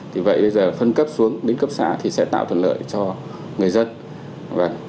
thì vậy bây giờ phân cấp xuống đến cấp xã thì sẽ tạo thuận lợi cho người dân